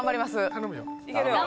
頼むよ。